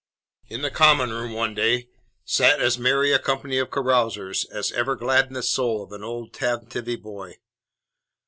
In the common room one day sat as merry a company of carousers as ever gladdened the soul of an old tantivy boy.